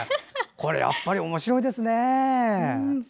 これ、やっぱりおもしろいですね。